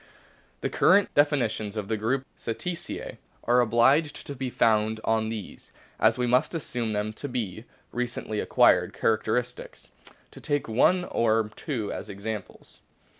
The current definitions of the group Cetacea are obliged to be founded on these, as we must assume them to be, recently acquired characters. To take one or two as examples.